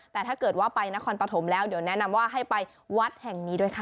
แต่ถ้าเกิดว่าไปนครปฐมแล้วเดี๋ยวแนะนำว่าให้ไปวัดแห่งนี้ด้วยค่ะ